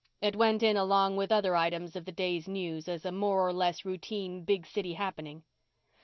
It went in along with other items of the day's news as a more or less routine big city happening.